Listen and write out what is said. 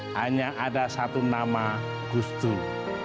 hanya ada satu nama gustur